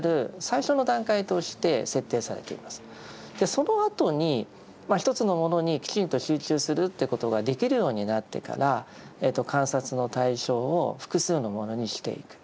そのあとに一つのものにきちんと集中するということができるようになってから観察の対象を複数のものにしていく。